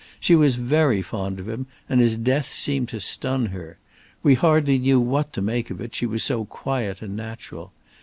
She was very fond of him, and his death seemed to stun her. We hardly knew what to make of it, she was so quiet and natural.